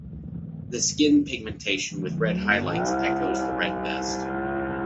The skin pigmentation, with red highlights, echoes the red vest.